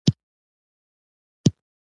د دوی ارمان پرمختګ دی که نه ؟